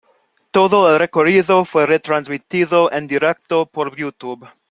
Todo el recorrido fue retransmitido en directo por Youtube.